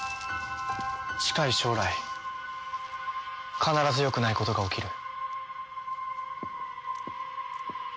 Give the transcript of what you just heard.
近い将来必ずよくないことが起きる。